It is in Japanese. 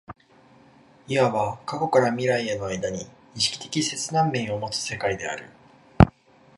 いわば過去から未来への間に意識的切断面を有つ世界である。